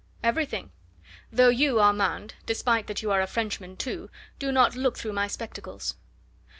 "Everything; though you, Armand, despite that you are a Frenchman too, do not look through my spectacles.